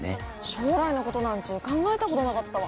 将来のことなんて考えたことなかったわ。